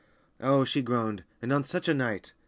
"Oh," she groaned, "and on such a night!"